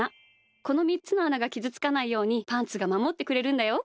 この３つのあながきずつかないようにパンツがまもってくれるんだよ。